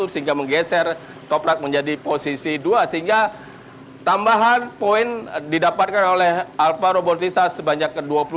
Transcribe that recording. sehingga menggeser toprak menjadi posisi dua sehingga tambahan poin didapatkan oleh alparo bautista sebanyak dua puluh lima